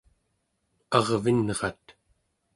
arvinrat